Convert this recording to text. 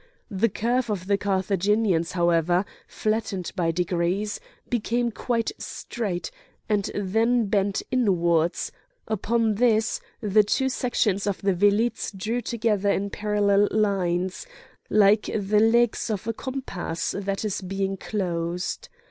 The curve of the Carthaginians, however, flattened by degrees, became quite straight, and then bent inwards; upon this, the two sections of the velites drew together in parallel lines, like the legs of a compass that is being closed.